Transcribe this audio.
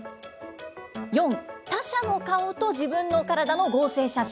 ４、他者の顔と自分の体の合成写真。